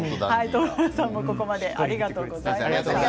東原さんも、ここまでありがとうございました。